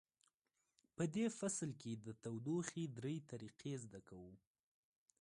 په دې فصل کې د تودوخې درې طریقې زده کوو.